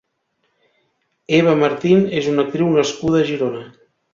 Eva Martín és una actriu nascuda a Girona.